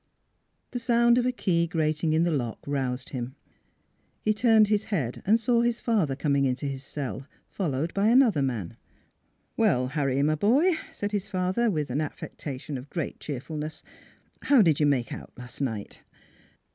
... The sound of a key grating in the lock roused him. He turned his head and saw his father coming into his cell, followed by an other man. ' Well, Harry, my boy," said his father, with an affectation of great cheerfulness, " how did you make out last night?